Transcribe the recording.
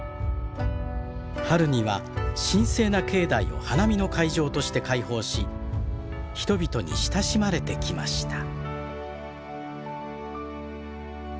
春には神聖な境内を花見の会場として開放し人々に親しまれてきました。